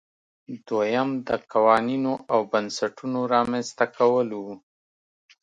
دویم د قوانینو او بنسټونو رامنځته کول وو.